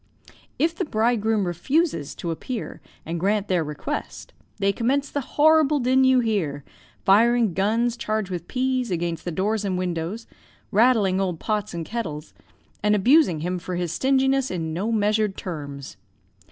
"If the bridegroom refuses to appear and grant their request, they commence the horrible din you hear, firing guns charged with peas against the doors and windows, rattling old pots and kettles, and abusing him for his stinginess in no measured terms.